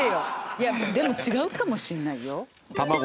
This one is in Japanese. いやでも違うかもしれないよ。